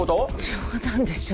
冗談でしょ